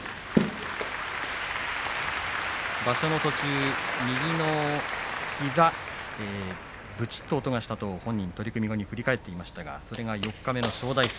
場所の途中、右の膝ぶちっと音がしたと本人が取組後に振り返っていましたがそれが四日目の正代戦。